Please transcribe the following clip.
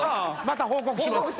また報告します。